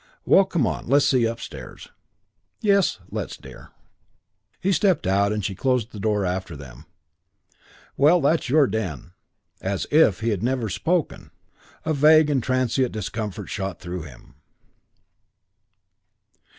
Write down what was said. "Well, come on, let's see upstairs." "Yes, let's, dear." He stepped out, and she closed the door after them. "Well, that's your den." As if he had never spoken! A vague and transient discomfort shot through him.